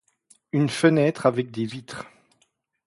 une fenêtre avec des vitres